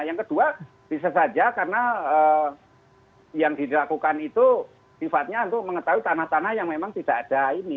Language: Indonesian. yang kedua bisa saja karena yang dilakukan itu sifatnya untuk mengetahui tanah tanah yang memang tidak ada ini